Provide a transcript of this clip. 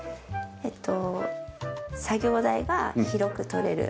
えっと作業台が広く取れる。